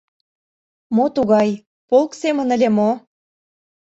— Мо тугай... полк семын ыле мо?